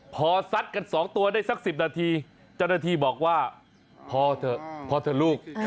พอซัดกัน๒ตัวได้สัก๑๐นาทีเจ้าหน้าที่บอกว่าพอเถอะพอเถอะลูก